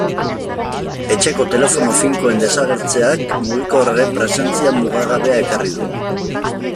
Etxeko telefono finkoen desagertzeak mugikorraren presentzia mugagabea ekarri du.